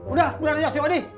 udah pulang aja si odi